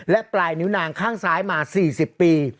และปลายนิ้วนางข้างซ้ายมา๔๐ปี